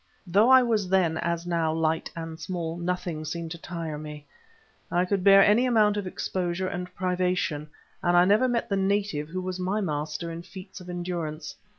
Though I was then, as now, light and small, nothing seemed to tire me. I could bear any amount of exposure and privation, and I never met the native who was my master in feats of endurance.